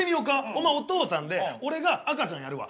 お前お父さんで俺が赤ちゃんやるわ。